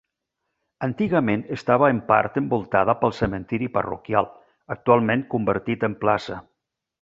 Antigament estava en part envoltada pel cementiri parroquial, actualment convertit en plaça.